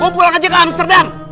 gua pulang aja ke amsterdam